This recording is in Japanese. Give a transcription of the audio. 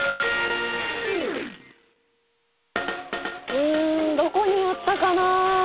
うんどこにやったかな？